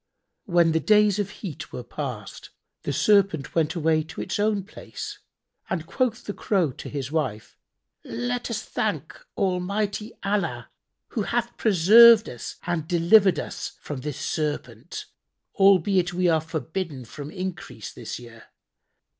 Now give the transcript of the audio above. When the days of heat were past, the Serpent went away to its own place and quoth the Crow to his wife, "Let us thank Almighty Allah, who hath preserved us and delivered us from this Serpent, albeit we are forbidden from increase this year.